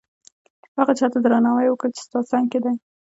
هغه چاته درناوی وکړه چې ستا څنګ کې دي.